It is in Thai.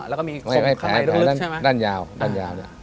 แล้วก็มีไม่ไม่ไอ้แผลไอ้แผลลึกลึกใช่ไหมด้านยาวด้านยาวเนี่ย